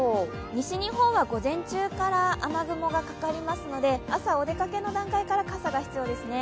西日本は午前中から雨雲がかかりますので、朝お出かけの段階から傘が必要ですね。